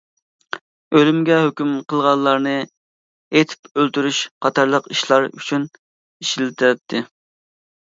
ئۆلۈمگە ھۆكۈم قىلغانلارنى ئېتىپ ئۆلتۈرۈش قاتارلىق ئىشلار ئۈچۈن ئىشلىتەتتى .